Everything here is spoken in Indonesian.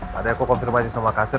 tadi aku confirm aja sama kasir